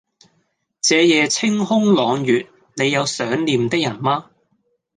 這夜清空朗月，你有想念的人嗎